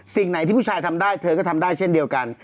สิ่งไหนที่ผู้ชายทำได้เธอก็ทำได้เช่นเดียวกัน